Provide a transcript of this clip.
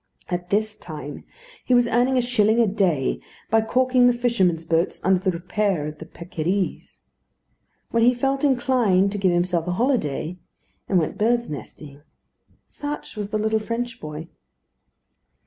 At this time he was earning a shilling a day by caulking the fishermen's boats under repair at the Pêqueries. When he felt inclined he gave himself a holiday, and went birds' nesting. Such was the little French boy.